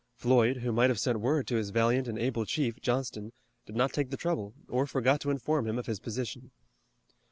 Floyd, who might have sent word to his valiant and able chief, Johnston, did not take the trouble or forgot to inform him of his position.